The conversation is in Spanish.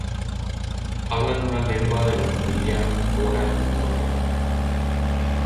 Hablan una lengua de la familia bora-witoto.